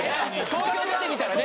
東京出てみたらね！